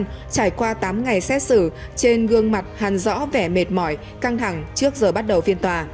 trong trải qua tám ngày xét xử trên gương mặt hàn rõ vẻ mệt mỏi căng thẳng trước giờ bắt đầu phiên tòa